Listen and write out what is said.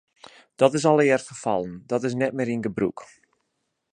Dat is allegear ferfallen, dat is net mear yn gebrûk.